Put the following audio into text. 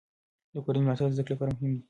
د کورنۍ ملاتړ د زده کړې لپاره مهم دی.